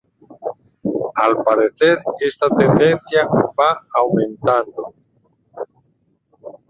Al parecer, esta tendencia va aumentando.